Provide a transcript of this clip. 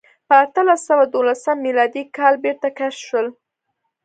په اتلس سوه دولسم میلادي کال بېرته کشف شول.